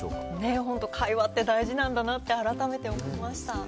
本当、会話って大事なんだなって改めて思いました。